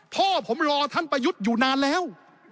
พ่อผมรอท่านประยุทธ์อยู่นานแล้ว